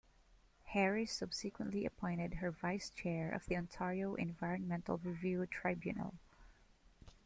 Harris subsequently appointed her Vice Chair of the Ontario Environmental Review Tribunal.